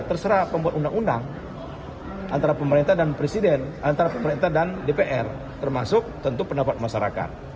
terserah pembuat undang undang antara pemerintah dan dpr termasuk tentu pendapat masyarakat